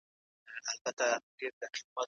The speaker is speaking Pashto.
د سهار لمونځ نن بیا قضا شوی دی.